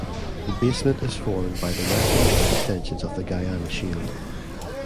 The basement is formed by the westernmost extensions of the Guiana Shield.